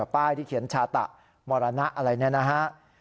ป้ายที่เขียนชาตะมรณะอะไรแบบนี้นะครับ